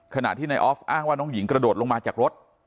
ขณะที่นายออฟอ้างว่าน้องหญิงกระโดดลงมาจากรถ